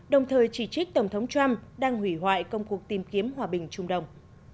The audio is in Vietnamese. đồng thời chỉ trích tổng thống trump đang hủy hoại công cuộc tìm kiếm hòa bình trung đông